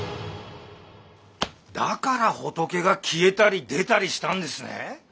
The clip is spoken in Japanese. だから仏が消えたり出たりしたんですね！